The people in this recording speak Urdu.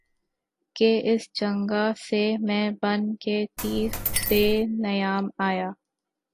کہ اس جنگاہ سے میں بن کے تیغ بے نیام آیا